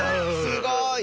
すごい！